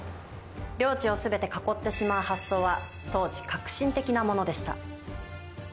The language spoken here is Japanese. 領地を全て囲ってしまう発想は当時、革新的なものでした。